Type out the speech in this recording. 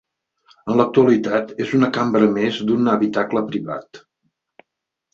En l'actualitat és una cambra més d'un habitacle privat.